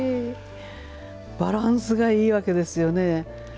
バランスがいいわけですよね。